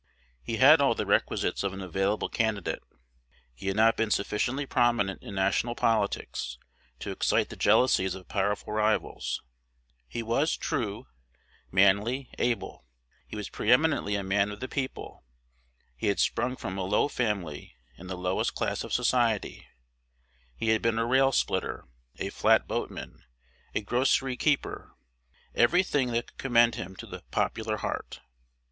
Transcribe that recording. He had all the requisites of an available candidate: he had not been sufficiently prominent in national politics to excite the jealousies of powerful rivals; he was true, manly, able; he was pre eminently a man of the people; he had sprung from a low family in the lowest class of society; he had been a rail splitter, a flat boatman, a grocery keeper, every thing that could commend him to the "popular heart."